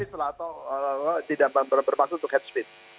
tidak bermaksud untuk hedgesmith